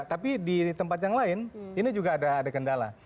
tapi di tempat yang lain ini juga ada kendala